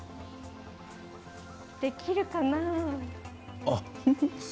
できるかな。